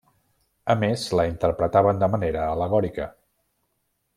A més la interpretaven de manera al·legòrica.